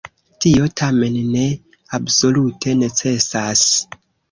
Tio tamen ne absolute necesas.